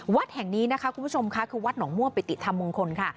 วัดแห่งนี้นะคะคุณผู้ชมค่ะคือวัดหนองม่วงปิติธรรมมงคลค่ะ